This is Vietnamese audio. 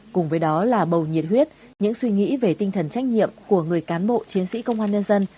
cùng với đó là bầu nhiệt huyết những suy nghĩ về tinh thần trách nhiệm của người cán bộ chiến sĩ công an nhân dân